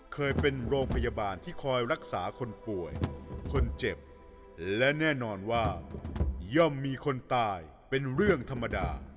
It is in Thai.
เคยเป็นโรงพยาบาลที่คอยรักษาคนป่วยคนเจ็บและแน่นอนว่าย่อมมีคนตายเป็นเรื่องธรรมดา